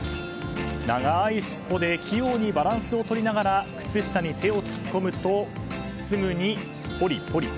長い尻尾で器用にバランスをとりながら靴下に手を突っ込むとすぐにポリポリ。